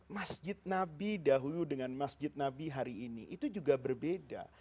masjid nabi dahulu dengan masjid nabi hari ini itu juga berbeda